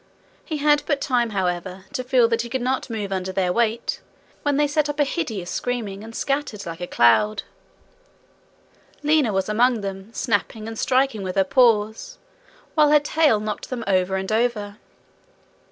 He had but time, however, to feel that he could not move under their weight, when they set up a hideous screaming, and scattered like a cloud. Lina was among them, snapping and striking with her paws, while her tail knocked them over and over.